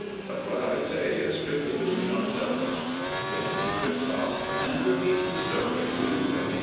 But what I say is strictly between ourselves." Then he trips off and repeats the story to every man in town.